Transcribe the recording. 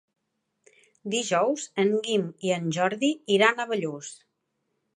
Dijous en Guim i en Jordi iran a Bellús.